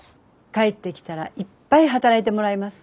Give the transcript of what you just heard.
帰ってきたらいっぱい働いてもらいます。